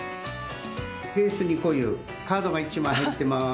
ケースにこういうカードが１枚入っています。